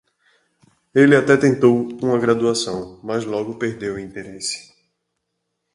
Ele até tentou uma graduação, mas logo perdeu o interesse.